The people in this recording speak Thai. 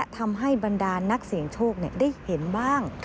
ทำให้บรรดานักเสี่ยงโชคได้เห็นบ้าง